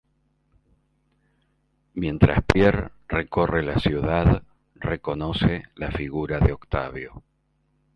Mientras Pierre recorre la ciudad reconoce la figura de Octavio.